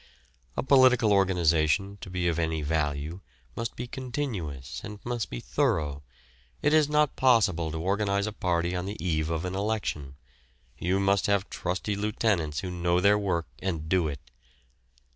A political organisation to be of any value must be continuous and must be thorough; it is not possible to organise a party on the eve of an election; you must have trusty lieutenants who know their work and do it.